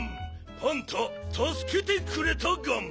パンタたすけてくれたガン。